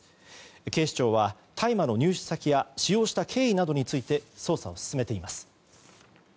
警視庁は大麻の入手先や使用した経緯などについて捜査を進めています。